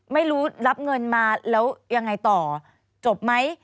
ไม่รู้รับเงินมาแล้วยังไงต่อจบไหม